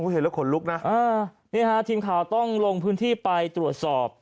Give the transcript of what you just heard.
เห็นแล้วขนลุกนะนี่ฮะทีมข่าวต้องลงพื้นที่ไปตรวจสอบ